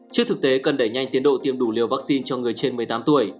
trước thực tế cần đẩy nhanh tiến độ tiêm đủ liều vaccine cho người trên một mươi tám tuổi